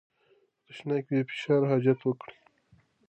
تشناب کې بې فشار حاجت وکړئ.